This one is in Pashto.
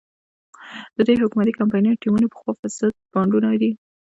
د دې حکومت کمپایني ټیمونه پخواني فاسد بانډونه دي.